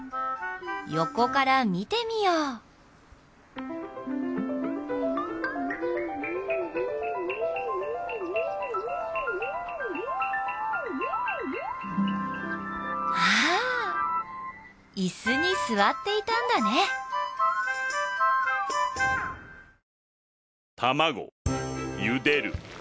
横から見てみようあっ椅子に座っていたんだね卵茹でる。